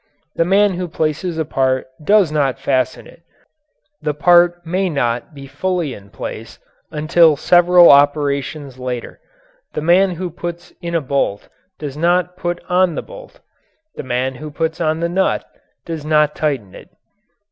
The man who places a part does not fasten it the part may not be fully in place until after several operations later. The man who puts in a bolt does not put on the nut; the man who puts on the nut does not tighten it.